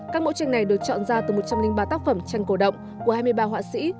các mẫu tranh này được chọn ra từ một trăm linh ba tác phẩm tranh cổ động của hai mươi ba họa sĩ